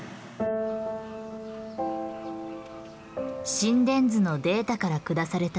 心電図のデータから下された診断